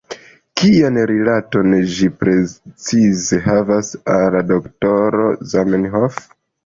Kian rilaton ĝi precize havas al doktoro Zamenhof?